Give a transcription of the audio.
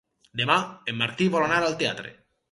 Demà en Martí vol anar al teatre.